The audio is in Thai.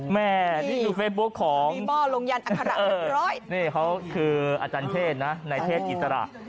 แม่นี่อยู่เฟซบุ๊กของนี่เขาคืออาจารย์เทศนะในเทศอิสระ